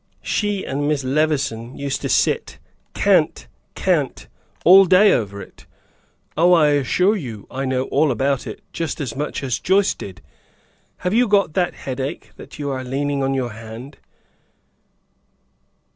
She and Miss Levison used to sit, cant, cant all day over it. Oh, I assure you I know all about it, just as much as Joyce did. Have you got that headache, that you are leaning on your hand?"